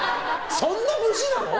そんな武士なの？